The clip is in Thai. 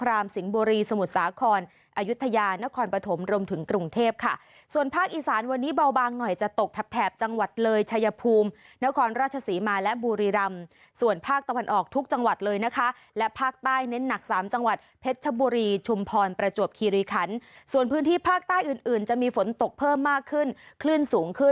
สิงห์บุรีสมุทรสาครอายุทยานครปฐมรวมถึงกรุงเทพค่ะส่วนภาคอีสานวันนี้เบาบางหน่อยจะตกแถบแถบจังหวัดเลยชายภูมินครราชศรีมาและบุรีรำส่วนภาคตะวันออกทุกจังหวัดเลยนะคะและภาคใต้เน้นหนักสามจังหวัดเพชรชบุรีชุมพรประจวบคีรีคันส่วนพื้นที่ภาคใต้อื่นอื่นจะมีฝนตกเพิ่มมากขึ้นคลื่นสูงขึ้น